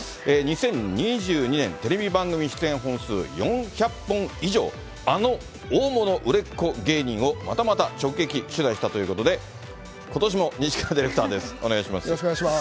２０２２年テレビ番組出演本数４００本以上、あの大物売れっ子芸人を、またまた直撃取材したということで、ことしも西川ディレクターです、お願いします。